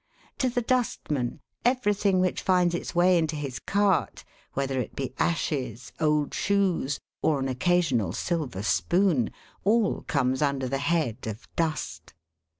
To the dustman everything which finds its way into his cart, whether it be ashes, old shoes, or an occasional silver spoon all comes under the head of " dust."